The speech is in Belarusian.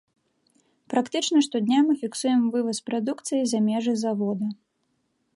Практычна штодня мы фіксуем вываз прадукцыі за межы завода.